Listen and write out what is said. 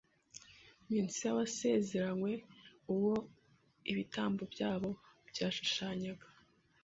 Mesiya wasezeranywe, uwo ibitambo byabo byashushanyaga